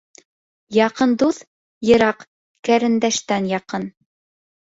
Яҡын дуҫ йыраҡ ҡәрендәштән яҡын.